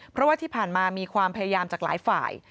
เพราะว่าที่ผ่านมามีความพยายามจากหลายฝ่าย